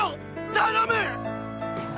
頼む！！